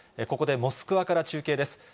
ここでモスクワから中継です。